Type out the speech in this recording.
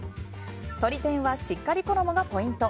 とり天はしっかり衣がポイント。